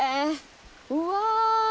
うわ。